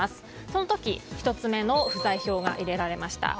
その時、１つ目の不在票が入れられました。